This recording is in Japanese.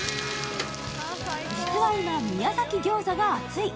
実は今、宮崎ギョーザが熱い。